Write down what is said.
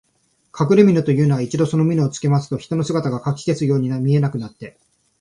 かくれみのというのは、一度そのみのを身につけますと、人の姿がかき消すように見えなくなって、